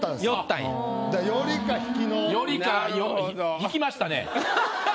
引きましたね。